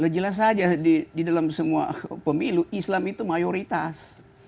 jelas saja di dalam semua pemilu islam itu mayoritas